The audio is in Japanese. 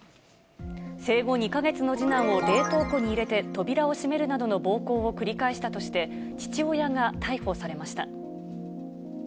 生後２か月の次男を冷凍庫に入れて扉を閉めるなどの暴行を繰り返したとして、父親が逮捕されました。